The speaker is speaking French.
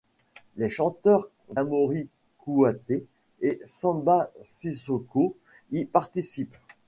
Les chanteurs Damory Kouyaté et Samba Sissoko y participent.